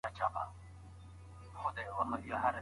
ولي هڅاند سړی د تکړه سړي په پرتله موخي ترلاسه کوي؟